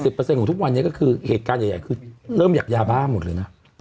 เจสิบเต้นของทุกวันนี้ก็คือเหตุการณ์ใหญ่ใหญ่ขึ้นเริ่มหยักยาบ้าหมดเลยนะ